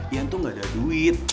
yan tuh ga ada duit